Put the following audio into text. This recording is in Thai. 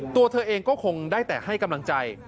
ตัวเธอเองก็คงได้แต่ให้กำลังใจ